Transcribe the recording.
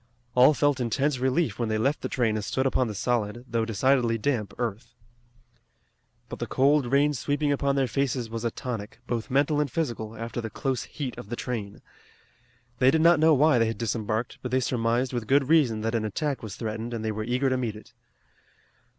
All felt intense relief when they left the train and stood upon the solid, though decidedly damp earth. But the cold rain sweeping upon their faces was a tonic, both mental and physical, after the close heat of the train. They did not know why they had disembarked, but they surmised with good reason that an attack was threatened and they were eager to meet it.